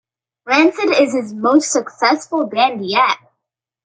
Rancid is his most successful band yet.